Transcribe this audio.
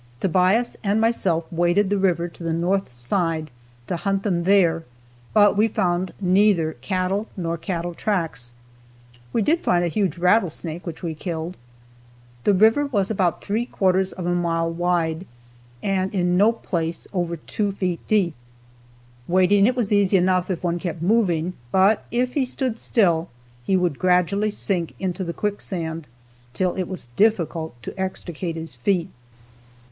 Tobias and myself waded the river to the north side to hunt them there, but we found neither cattle nor cattle tracks. We did find a huge rattlesnake, which we killed. The river was about three quarters of a mile wide, and in no place over two feet deep. Wading it was easy enough if one kept moving, but if he stood still he would gradually sink into the quicksand till it was difficult to extricate his feet.